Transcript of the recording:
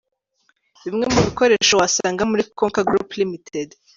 Bimwe mu bikoresho wasanga muri Konka Group Ltd.